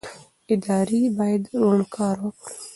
ادارې باید روڼ کار وکړي